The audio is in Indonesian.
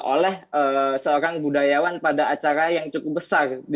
oleh seorang budayawan pada acara yang cukup besar